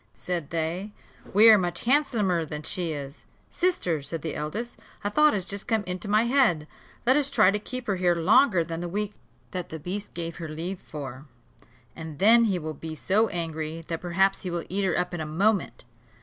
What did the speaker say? said they. "We are much handsomer than she is." "Sister," said the eldest, "a thought has just come into my head: let us try to keep her here longer than the week that the beast gave her leave for: and then he will be so angry, that perhaps he will eat her up in a moment."